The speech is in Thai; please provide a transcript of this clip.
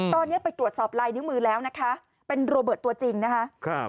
ตอนนี้ไปตรวจสอบลายนิ้วมือแล้วนะคะเป็นโรเบิร์ตตัวจริงนะคะ